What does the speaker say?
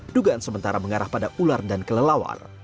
dugaan sementara mengarah pada ular dan kelelawar